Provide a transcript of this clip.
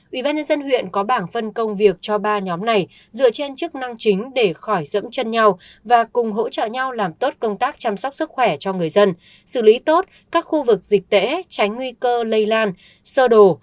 ubnd huyện có bảng phân công việc cho ba nhóm này dựa trên chức năng chính để khỏi dẫm chân nhau và cùng hỗ trợ nhau làm tốt công tác chăm sóc sức khỏe cho người dân xử lý tốt các khu vực dịch tễ tránh nguy cơ lây lan sơ đồ